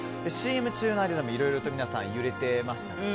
ＣＭ中の間にもいろいろと皆さん揺れてましたかね。